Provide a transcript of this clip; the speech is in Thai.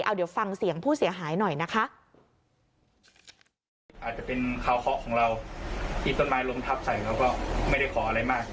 เอาเดี๋ยวฟังเสียงผู้เสียหายหน่อยนะคะ